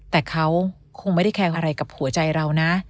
แต่เขาคงไม่ได้แคงอะไรกับหัวใจเรานะ